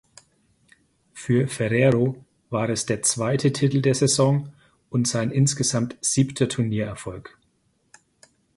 Für Ferrero war es der zweite Titel der Saison und sein insgesamt siebter Turniererfolg.